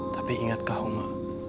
tapi ingatkah uma